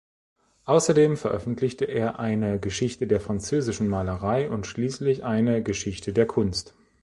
Außerdem veröffentlichte er eine "Geschichte der französischen Malerei" und schließlich eine "Geschichte der Kunst".